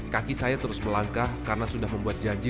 kaki saya terus melangkah karena sudah membuat janji